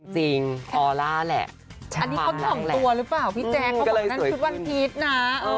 จริงออลล่าแหละความต่๋วหรือเปล่าพี่แจ๊กเขาบอกนั้นชุดวันพีชนะ